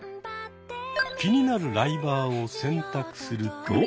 気になるライバーを選択すると。